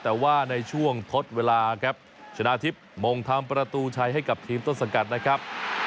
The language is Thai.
แต่ว่าในช่วงทดเวลาครับชนะทิพย์มงทำประตูชัยให้กับทีมต้นสังกัดนะครับ